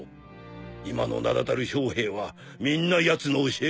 今の名だたる将兵はみんなやつの教え子じゃ。